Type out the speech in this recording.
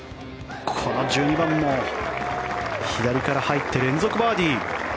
この１２番も左から入って連続バーディー。